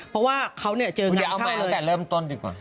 เพราะว่าเขาเนี้ยเจออย่าเอาใหม่แล้วแต่เริ่มต้นดีกว่า